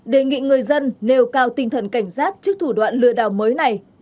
đề nghị người dân nêu cao tinh thần cảnh giác trước thủ đoạn lừa đảo mới này